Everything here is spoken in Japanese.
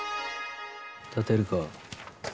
立てるか。